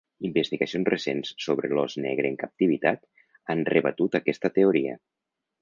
Investigacions recents sobre l'ós negre en captivitat han rebatut aquesta teoria.